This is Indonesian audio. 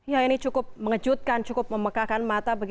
ya ini cukup mengejutkan cukup memekakan mata